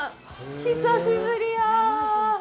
久しぶりや。